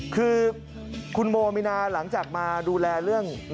คือคุณโมมินาหลังจากมาดูแลเรื่อง